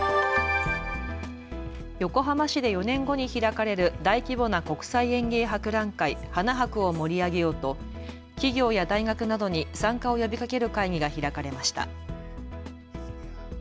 横浜市で４年後に開かれる大規模な国際園芸博覧会、花博を盛り上げようと企業や大学などに参加を呼びかける会議が開かれました。